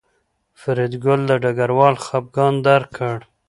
فریدګل د ډګروال خپګان درک کړ